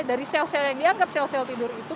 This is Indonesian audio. dari sel sel yang dianggap sel sel tidur itu